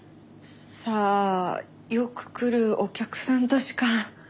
さあよく来るお客さんとしか。